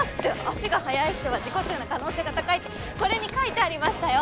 足が速い人は自己中な可能性が高いってこれに書いてありましたよ！